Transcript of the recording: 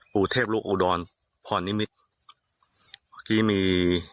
ปู่เทพลูกอุดรพรนิมิตรเมื่อกี้มี